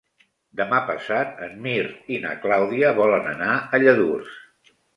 Demà passat en Mirt i na Clàudia volen anar a Lladurs.